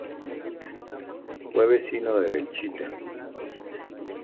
Fue vecino de Belchite.